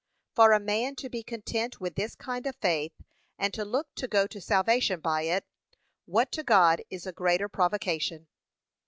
For a man to be content with this kind of faith, and to look to go to salvation by it, what to God is a greater provocation?